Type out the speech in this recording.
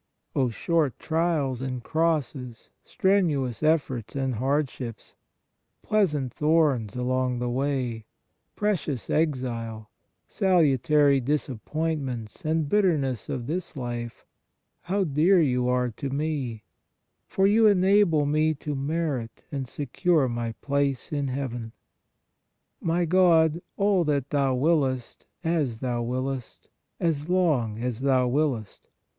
O short trials and crosses, strenuous efforts and hardships, pleas ant thorns along the way, precious exile, salutary disappointments and bitterness of this life, how dear you are to me, for you enable me to merit and secure my place in Heaven! My God, all that Thou wiliest, as Thou wiliest, as long as Thou wiliest